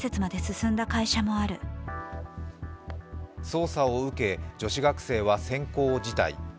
捜査を受け、女子学生は選考を辞退。